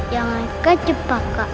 yang mereka cepat kak